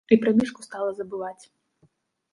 І пра мішку стала забываць.